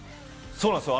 そうなんですよ。